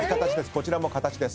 こちらも形です。